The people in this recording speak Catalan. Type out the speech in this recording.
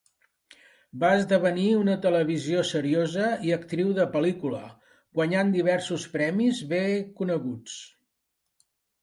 Va esdevenir una televisió seriosa i actriu de pel·lícula, guanyant diversos premis bé coneguts.